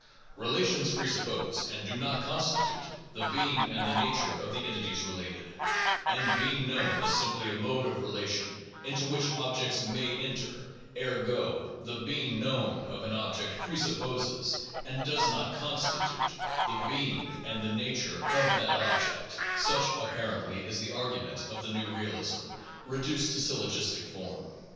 Eelations presuppose, and do not constitute, the being and the nature of the entities related; and "being known" is simply a mode of relation into which objects may enter; ergo, the "being known" of an object presupposes, and does not constitute, the being and the nature of that object — such, apparently, is the argument of the new realism, reduced to syllogistic form.